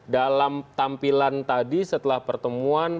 dalam tampilan tadi setelah pertemuan